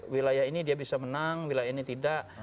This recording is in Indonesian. wilayah ini dia bisa menang wilayah ini tidak